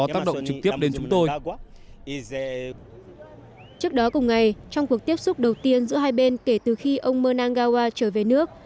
trước đó cùng ngày trong cuộc tiếp xúc đầu tiên giữa hai bên kể từ khi ông mernanggawa trở về nước